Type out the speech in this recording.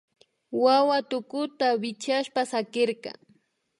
Wawa tukuta wichkashpa sakirka